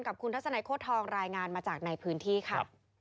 กับคุณทัศนัยโค้ดทองรายงานมาจากในพื้นที่ค่ะ